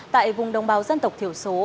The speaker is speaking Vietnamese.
tại vùng đồng bào dân tộc tiểu số